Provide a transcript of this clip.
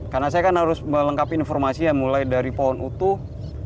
karena saya kan harus melengkapi informasi yang mulai dari pohon utuh